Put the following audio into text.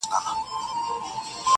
كوم شېرشاه توره ايستلې ځي سسرام ته.!